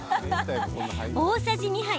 大さじ２杯。